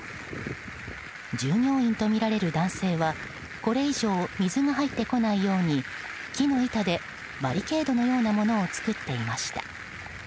従業員とみられる男性はこれ以上水が入ってこないように木の板でバリケードのようなものを作っていました。